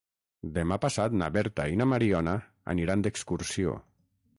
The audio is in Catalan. Demà passat na Berta i na Mariona aniran d'excursió.